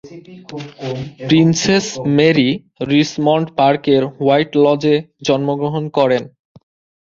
Princess Mary Richmond পার্কের White লজে জন্মগ্রহণ করেন।